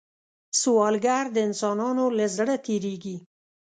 سوالګر د انسانانو له زړه تېرېږي